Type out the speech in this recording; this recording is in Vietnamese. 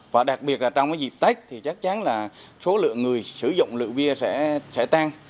và đặc biệt trong dịp tách thì chắc chắn là số lượng người sử dụng lựu bia sẽ tan